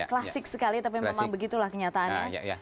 klasik sekali tapi memang begitulah kenyataannya